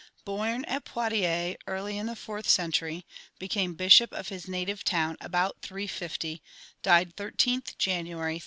Born at Poitiers early in the fourth century; became bishop of his native town about 350; died 13th January 368.